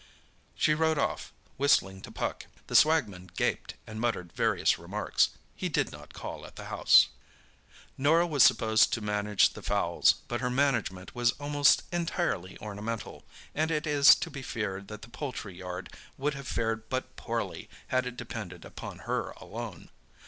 She rode off, whistling to Puck. The swagman gaped and muttered various remarks. He did not call at the house. Norah was supposed to manage the fowls, but her management was almost entirely ornamental, and it is to be feared that the poultry yard would have fared but poorly had it depended upon her alone.